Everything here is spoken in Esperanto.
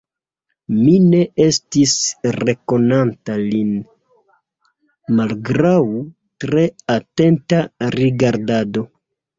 Mi ne estis rekonanta lin, malgraŭ tre atenta rigardado.